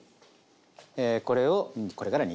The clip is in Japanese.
これをこれから煮ていきます。